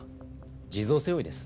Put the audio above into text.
地蔵背負いです。